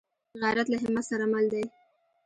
غیرت له همت سره مل دی